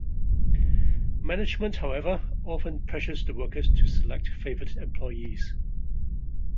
Management, however, often pressures the workers to select favored employees.